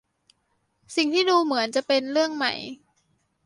สิ่งที่ดูเหมือนจะเป็นเรื่องใหม่